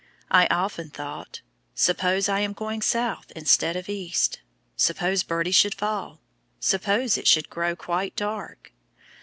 I often thought, "Suppose I am going south instead of east? Suppose Birdie should fail? Suppose it should grow quite dark?"